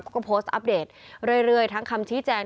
ก็โพสต์อัปเดตเรื่อยทั้งคำชี้แจง